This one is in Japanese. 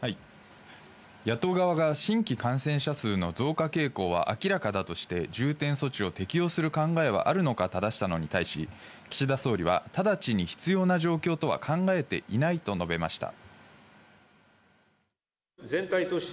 野党側が新規感染者数の増加傾向は明らかだとして、重点措置を適用する考えはあるのか質したのに対し、岸田総理は直ちに必要な状況とは考えていないと述べました。